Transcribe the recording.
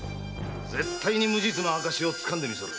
絶対に無実の証を掴んでみせる。